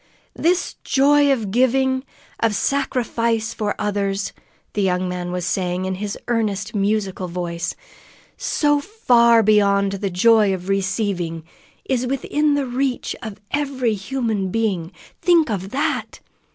"This joy of giving, of sacrificing for others," the young man was saying in his earnest, musical voice, "so far beyond the joy of receiving, is within the reach of every human being. Think of that!